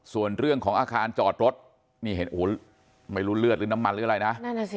ส่วนเรื่องของอาการจอดรถไม่รู้เลือดหรือน้ำมันหรืออะไรนะ